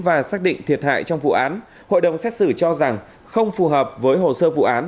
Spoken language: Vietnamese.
và xác định thiệt hại trong vụ án hội đồng xét xử cho rằng không phù hợp với hồ sơ vụ án